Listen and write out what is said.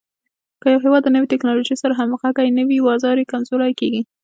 که یو هېواد د نوې ټکنالوژۍ سره همغږی نه وي، بازار یې کمزوری کېږي.